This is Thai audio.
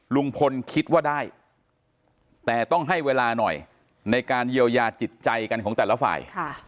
ลุงพลคิดว่าได้แต่ต้องให้เวลาหน่อยในการเยียวยาจิตใจกันของแต่ละฝ่าย